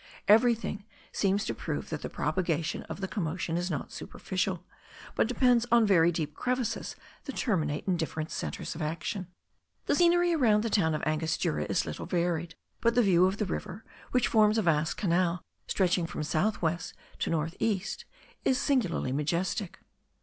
Everything seems to prove that the propagation of the commotion is not superficial, but depends on very deep crevices that terminate in different centres of action. The scenery around the town of Angostura is little varied; but the view of the river, which forms a vast canal, stretching from south west to north east, is singularly majestic.